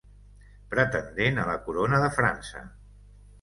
Pretendent a la corona de França.